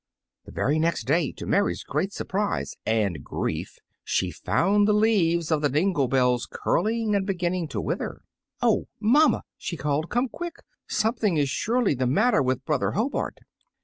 The very next day, to Mary's great surprise and grief, she found the leaves of the dingle bells curling and beginning to wither. "Oh, mamma," she called, "come quick! Something is surely the matter with brother Hobart!"